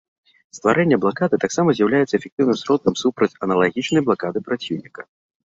Стварэнне блакады таксама з'яўляецца эфектыўным сродкам супраць аналагічнай блакады праціўніка.